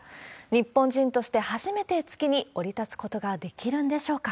日本人として初めて月に降り立つことができるんでしょうか。